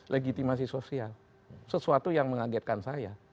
legitimasi sosial sesuatu yang mengagetkan saya